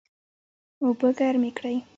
اوبه ګرمې کړئ